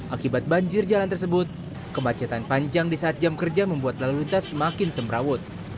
akibat banjir jalan tersebut kemacetan panjang di saat jam kerja membuat lalu lintas semakin semrawut